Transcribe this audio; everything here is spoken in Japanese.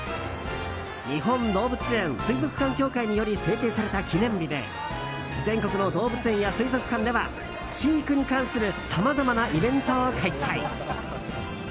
日本動物園水族館協会により制定された記念日で全国の動物園や水族館では飼育に関するさまざまなイベントを開催。